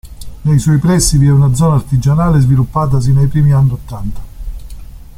Nei suoi pressi vi è una zona artigianale sviluppatasi nei primi anni ottanta.